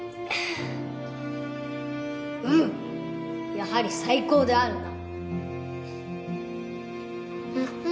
やはり最高であるな。